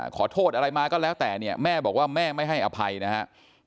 ขอโทษอะไรมาก็แล้วแต่เนี่ยแม่บอกว่าแม่ไม่ให้อภัยนะครับ